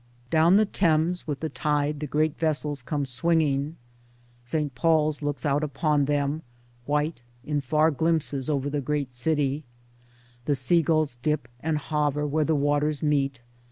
Down the Thames with the tide the great vessels come swinging ; St. Paul's looks out upon them, white, in far glimpses over the great city; the sea gulls dip and hover where the waters meet.